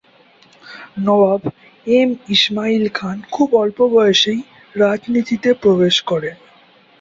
নবাব M Ismail Khan খুব অল্প বয়সেই রাজনীতিতে প্রবেশ করেন।